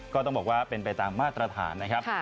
ก็ต้องบอกว่าเป็นไปตามมาตรฐานนะครับ